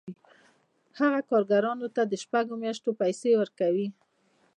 هغه کارګرانو ته د شپږو میاشتو پیسې ورکوي